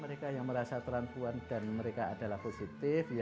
mereka yang merasa teranpuan dan mereka adalah positif